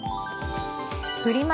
フリマ